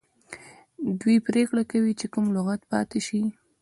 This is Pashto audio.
دوی پریکړه کوي چې کوم لغت پاتې شي.